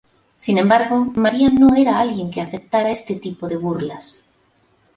Sin embargo, María no era alguien que aceptara este tipo de burlas.